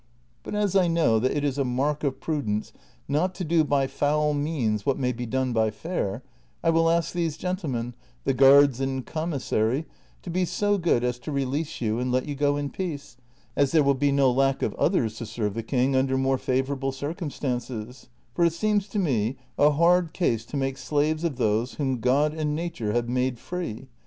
But as I know that it is a mark of prudence not to do by foul means what may be done b}' fair, I will ask these gentlemen, the guards and commissary, to be so good as to release you and let you go in peace, as there will be no lack of others to serve the king under more favorable circumstances ; for it seems to me a hard case to make slaves of those whom God and nature have niade free.